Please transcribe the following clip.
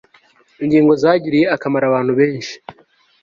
ingingo zagiriye akamaro abantu benshi